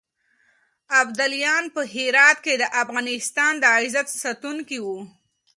ابدالیان په هرات کې د افغانستان د عزت ساتونکي وو.